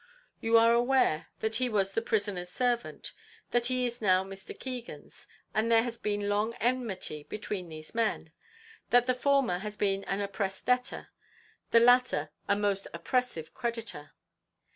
You are aware that he was the prisoner's servant; that he is now Mr. Keegan's; that there has been long enmity between these men; that the former has been an oppressed debtor the latter a most oppressive creditor.